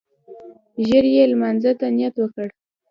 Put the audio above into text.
ژر يې لمانځه ته نيت وکړ.